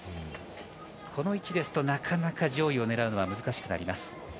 この位置ですと、なかなか上位を狙うのは難しくなります。